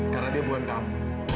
karena dia bukan kamu